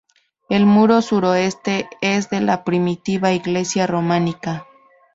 El muro suroeste es de la primitiva iglesia románica.